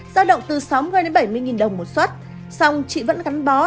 do động từ sáu mươi bảy mươi nghìn đồng một xuất xong chị vẫn gắn bó